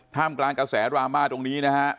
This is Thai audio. ท่ามกลางกระแสรามาต์ตรงนี้นะฮะ